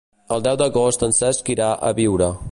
El deu d'agost en Cesc irà a Biure.